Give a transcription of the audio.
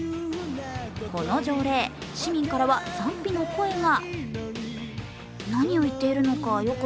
この条例、市民からは賛否の声が。